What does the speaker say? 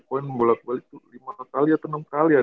tiga poin bulat balik itu lima kali ya atau enam kali ya